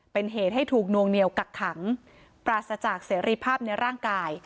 เป็นเหตุให้ถูกนวงเหนียวกักขังปราศจากเสรีภาพในร่างกาย